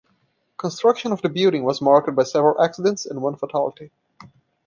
Construction of the building was marked by several accidents and one fatality.